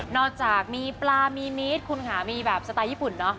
จากมีปลามีมีดคุณค่ะมีแบบสไตล์ญี่ปุ่นเนอะ